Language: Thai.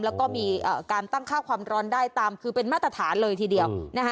แล้วก็มีการตั้งค่าความร้อนได้ตามคือเป็นมาตรฐานเลยทีเดียว